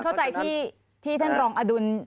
เข้าใจที่ท่านรองอดุล